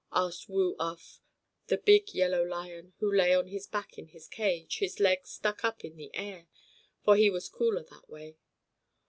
asked Woo Uff, the big yellow lion, who lay on his back in his cage, his legs stuck up in the air, for he was cooler that way.